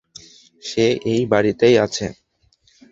সে এই বাড়িতেই আছে।